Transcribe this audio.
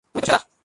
তুমি তো সেরা।